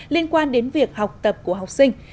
liên quan đến việc học tập của học sinh